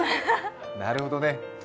なるほどね。